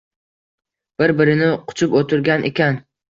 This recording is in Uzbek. Bir-birini quchib o’tirgan ekan.